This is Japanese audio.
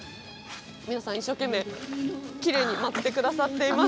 皆さん、一生懸命きれいに舞ってくださっています。